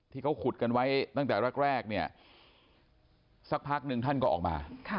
ที่เขาขุดกันไว้ตั้งแต่แรกเนี่ยสักพักหนึ่งท่านก็ออกมา